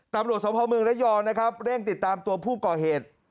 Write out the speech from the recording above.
ตำรวจสมภาพเมืองระยองนะครับเร่งติดตามตัวผู้ก่อเหตุ